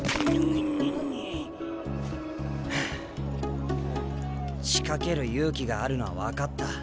うっ。はあ仕掛ける勇気があるのは分かった。